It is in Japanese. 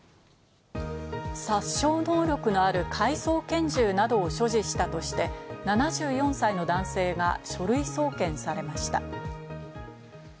殺傷能力のある改造拳銃などを所持したとして、７４歳の男性が書類送検されました。